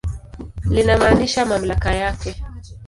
Linamaanisha mamlaka yake.